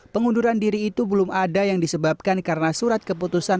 pengunduran diri itu belum ada yang disebabkan karena surat keputusan